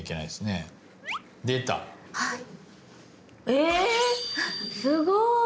えすごい！